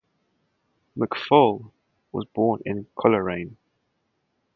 McFaul was born in Coleraine.